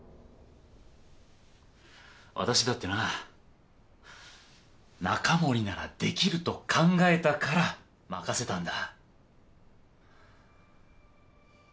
私だってな中森ならできると考えたから任せたんだ。